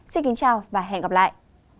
xin kính chào và hẹn gặp lại